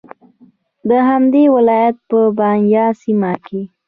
د همدې ولایت په بایان سیمه کې